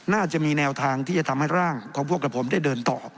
น่าจะมีแนวทางที่จะทำให้ร่างของพวกกับผมได้เดินต่อ